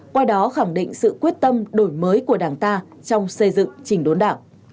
qua đó khẳng định sự quyết tâm đổi mới của đảng ta trong xây dựng chỉnh đốn đảng